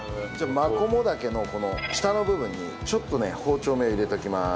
マコモダケのこの下の部分にちょっとね包丁目を入れておきます。